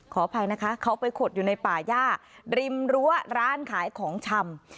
ขออภัยนะคะเขาไปขดอยู่ในป่าย่าริมรั้วร้านขายของชำ